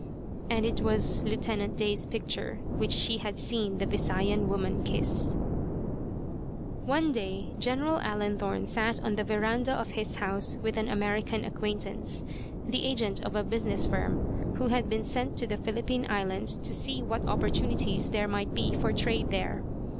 And it was Lieutenant Day's picture which she had seen the Visayan woman kiss. One day General Allenthorne sat on the verandah of his house with an American acquaintance, the agent of a business firm, who had been sent to the Philippine Islands to see what opportunities there might be for trade there.